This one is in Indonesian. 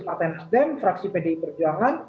patenasdem fraksi pdi perjuangan